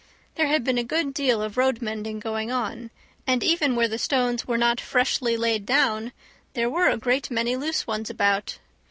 There had been a good deal of road mending going on, and even where the stones were not freshly laid down there were a great many loose ones about.